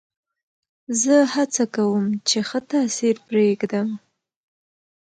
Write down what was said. زه هڅه کوم، چي ښه تاثیر پرېږدم.